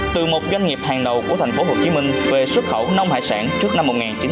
từ một doanh nghiệp hàng đầu của thành phố hồ chí minh về xuất khẩu nông hải sản trước năm một nghìn chín trăm chín mươi bảy